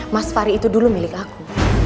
mas fari itu dulu milik aku